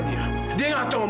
dia tuh bohong